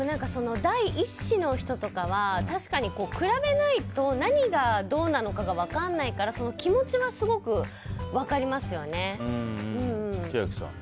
第１子の人とかは確かに比べないと何がどうなのかが分かんないから千秋さん。